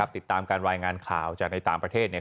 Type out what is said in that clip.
ติดตามการรายงานข่าวจากในต่างประเทศ